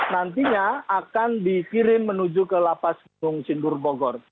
nantinya akan dikirim menuju ke lapas gunung sindur bogor